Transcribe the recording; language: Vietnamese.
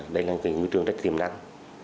đây là nguyên trường rất tiềm năng